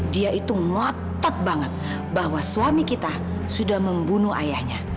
dia itu ngotot banget bahwa suami kita sudah membunuh ayahnya